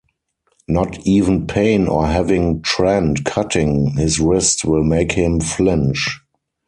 Not even pain or having Trent cutting his wrist will make him flinch.